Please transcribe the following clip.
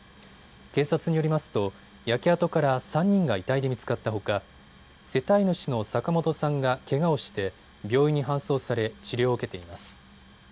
警察によりますと焼け跡から３人が遺体で見つかったほか世帯主の坂本さんがけがをして病院に搬送され治療を受けています。